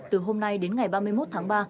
từ hôm nay đến ngày ba mươi một tháng ba